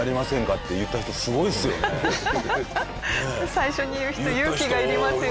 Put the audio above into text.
最初に言う人勇気がいりますよね。